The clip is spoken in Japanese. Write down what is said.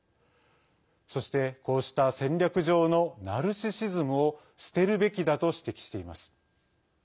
そして、こうした戦略上のナルシシズムを捨てるべきだと指摘しています。